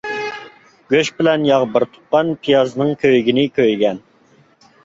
گۆش بىلەن ياغ بىر تۇغقان، پىيازنىڭ كۆيگىنى كۆيگەن.